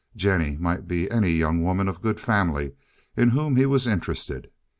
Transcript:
Jennie might be any young woman of good family in whom he was interested.